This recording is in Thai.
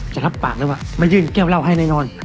จะรับปากหรือเปล่ามายื่นแก้วเหล้าให้ในนอน